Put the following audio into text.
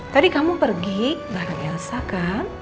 tadi kamu pergi bareng elsa kan